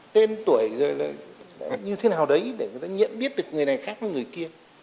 tên tuổi rồi là như thế nào đấy để người ta nhận biết được người này khác với người kia